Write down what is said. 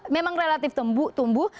memang relatif tumbuh